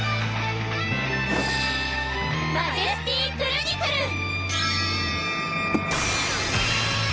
マジェスティクルニクルン！